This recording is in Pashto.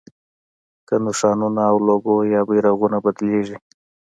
که نښانونه او لوګو یا بیرغونه بدلېږي.